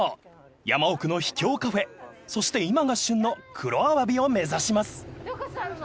山奥の秘境カフェそして今が旬の黒アワビを目指します］